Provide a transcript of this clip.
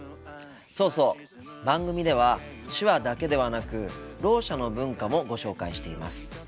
そうそう番組では手話だけではなくろう者の文化もご紹介しています。